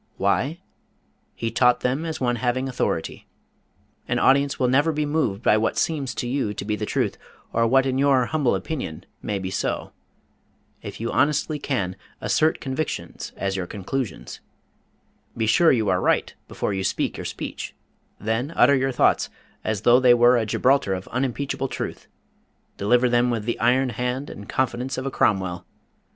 Why? "He taught them as one having AUTHORITY." An audience will never be moved by what "seems" to you to be truth or what in your "humble opinion" may be so. If you honestly can, assert convictions as your conclusions. Be sure you are right before you speak your speech, then utter your thoughts as though they were a Gibraltar of unimpeachable truth. Deliver them with the iron hand and confidence of a Cromwell.